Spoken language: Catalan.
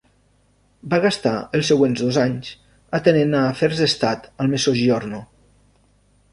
Va gastar els següents dos anys atenent a afers d'estat al Mezzogiorno.